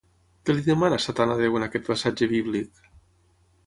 Què li demana Satan a Déu en aquest passatge bíblic?